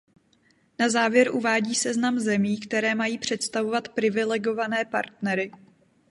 Na závěr uvádí seznam zemí, které mají představovat privilegované partnery.